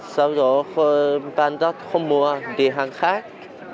sau đó bán đắt không mua đi hàng khác